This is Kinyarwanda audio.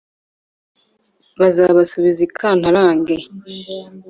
Zabasubiza ikantarange